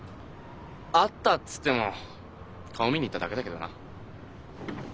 会ったっつっても顔見に行っただけだけどな。